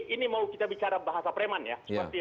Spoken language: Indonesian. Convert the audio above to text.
ini mau kita bicara bahasa preman ya